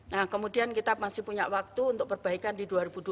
nah kemudian kita masih punya waktu untuk perbaikan di dua ribu dua puluh